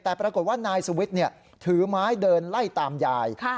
แต่ปรากฏว่านายสุวิทย์ถือไม้เดินไล่ตามยาย